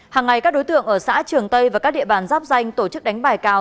hàng ngày các đối tượng ở xã trường tây và các địa bàn giáp danh tổ chức đánh bài cao